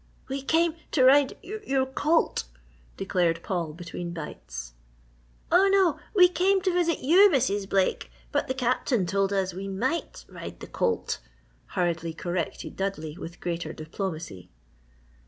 "We came to ride your colt," declared Paul, between bites. "Oh, no! We came to visit you, Mrs. Blake, but the Captain told us we might ride the colt," hurriedly corrected Dudley, with great diplomacy.